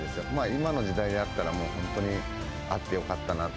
今の時代だったらもう、本当にあってよかったなって。